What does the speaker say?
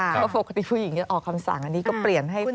เพราะปกติผู้หญิงออกคำสั่งอันนี้ก็เปลี่ยนให้